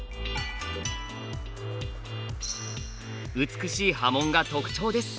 美しい刃文が特徴です。